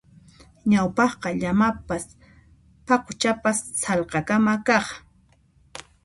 Ñawpaqqa llamapis paquchapis sallqakama kaq.